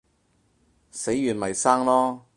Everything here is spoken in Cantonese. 死完咪生囉